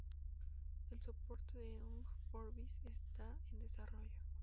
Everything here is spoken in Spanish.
El soporte de Ogg Vorbis está en desarrollo.